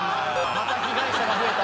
また被害者が増えた。